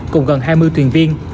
cùng gần hai mươi thuyền viên